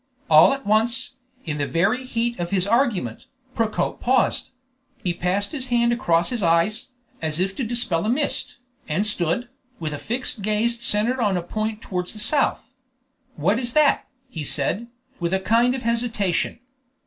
All at once, in the very heat of his argument, Procope paused; he passed his hand across his eyes, as if to dispel a mist, and stood, with a fixed gaze centered on a point towards the south. "What is that?" he said, with a kind of hesitation.